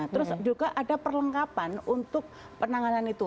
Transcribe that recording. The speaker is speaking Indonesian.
terus juga ada perlengkapan untuk penanganan itu